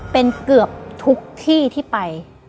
เป็นเกือบทุกที่ที่ไป